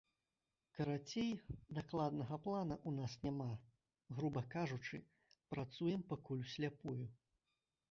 Карацей, дакладнага плана ў нас няма, груба кажучы, працуем пакуль усляпую.